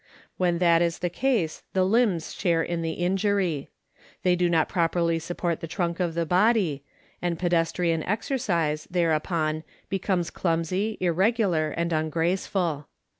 When that is the case the limbs share in the injury. They do not properly support the trunk of the body, and pedestrian exercise, thereupon, becomes clumsy, irregular, and ungraceful.